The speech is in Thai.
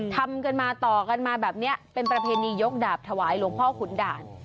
ทำกันมาต่อกันมาแบบนี้เป็นประเพณียกดาบถวายหลวงพ่อขุนด่าน